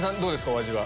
お味は。